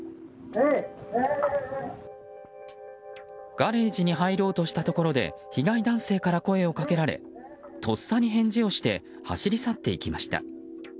ガレージに入ろうとしたところで被害男性から声をかけられとっさに返事をして走り去っていきました。